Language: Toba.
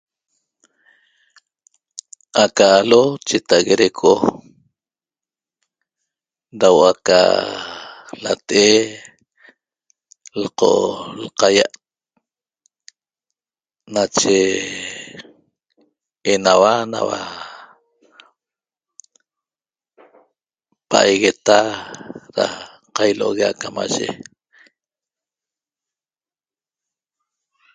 Aca alo' chetaague da eco' da huo'o aca late'e lqo lqayia't nache enauac naua pa'aigueta da ca ilo'ogue acamaye